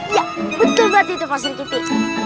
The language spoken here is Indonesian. iya betul banget itu pak serikiti